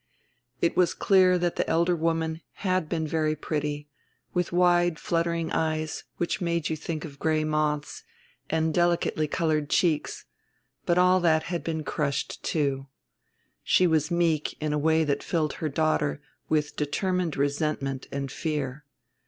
It was clear that the elder woman had been very pretty, with wide fluttering eyes which made you think of gray moths, and delicately colored cheeks; but all that had been crushed, too. She was meek in a way that filled her daughter with determined resentment and fear.